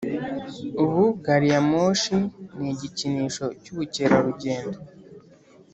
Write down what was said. ubu gariyamoshi ni igikinisho cyubukerarugendo